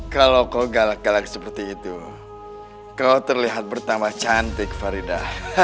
kalau kau galak galak seperti itu kau terlihat bertambah cantik farida